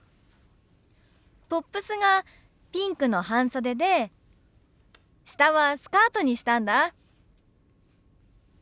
トップスがピンクの半袖で下はスカートにしたんだ。